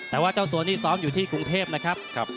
แต่ว่าเจ้าตัวนี่ซ้อมอยู่ที่กรุงเทพนะครับ